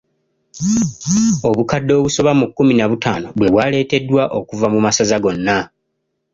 Obukadde obusoba mu kumi na butaano bwe bwaleeteddwa okuva mu masaza gona.